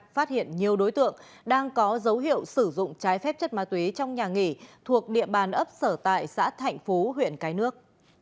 phát hiện nhiều đối tượng đang có dấu hiệu sử dụng trái phép chất ma túy trong nhà nghỉ thuộc địa bàn ấp sở tại xã thạnh phú huyện cái nước